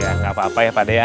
ya enggak apa apa ya pak deh ya